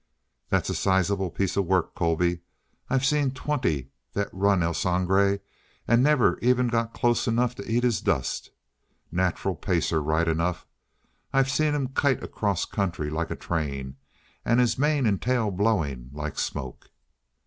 "That's a sizable piece of work, Colby. I've seen twenty that run El Sangre, and never even got close enough to eat his dust. Nacheral pacer, right enough. I've seen him kite across country like a train! And his mane and tail blowing like smoke!"